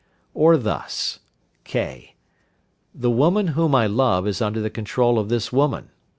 Or thus: (k). The woman whom I love is under the control of this woman.